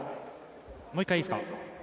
もう１回いいですか？